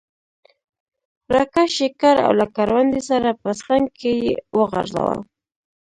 را کش یې کړ او له کروندې سره په څنګ کې یې وغورځاوه.